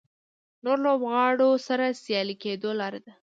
نورو لوبغاړو سره سیال کېدو لاره ده.